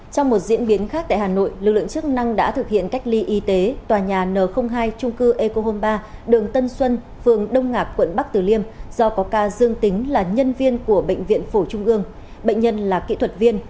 trong một diễn biến khác tại hà nội lực lượng chức năng đã thực hiện cách ly y tế tòa nhà n hai trung cư eco home ba đường tân xuân phường đông ngạc quận bắc tử liêm do có ca dương tính là nhân viên của bệnh viện phổ trung ương bệnh nhân là kỹ thuật viên